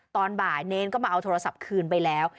ตอนบ่ายเนรก็มาเอาโทรศัพท์คืนไปแล้ว